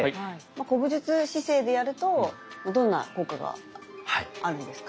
古武術姿勢でやるとどんな効果があるんですか？